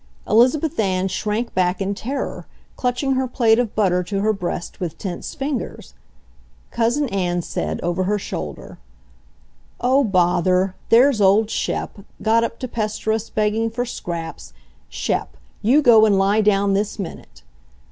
Elizabeth Ann shrank back in terror, clutching her plate of butter to her breast with tense fingers. Cousin. Ann said, over her shoulder: "Oh, bother! There's old Shep, got up to pester us begging for scraps! Shep! You go and lie down this minute!"